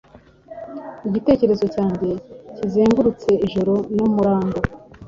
Igitekerezo cyanjye kizengurutse ijoro n'umurango